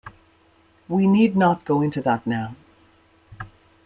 We need not go into that now.